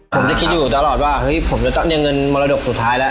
ผมจะคิดอยู่ตลอดว่าเฮ้ยผมจะต้องได้เงินมรดกสุดท้ายแล้ว